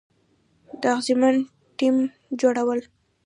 د اغیزمن ټیم جوړول،